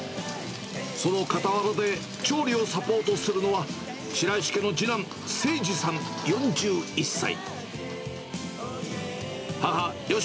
その傍らで、調理をサポートするのは、白石家の次男、誠次さん４１歳。